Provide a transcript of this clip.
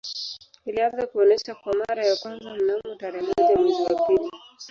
Ilianza kuonesha kwa mara ya kwanza mnamo tarehe moja mwezi wa pili